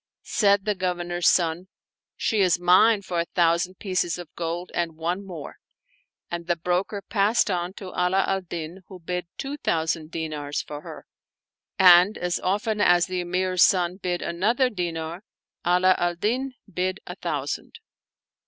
Said the Governor's son, " She is mine for a thousand pieces of gold and one niore," and the broker passed on to Ala al Din who bid two thousand dinars for her; and as often as the Emir's son bid another dinar, Ala al Din bid a thousand.